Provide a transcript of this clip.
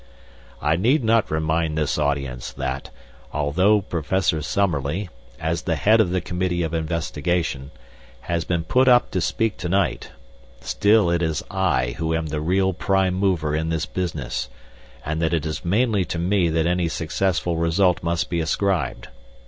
'I need not remind this audience that, though Professor Summerlee, as the head of the Committee of Investigation, has been put up to speak to night, still it is I who am the real prime mover in this business, and that it is mainly to me that any successful result must be ascribed.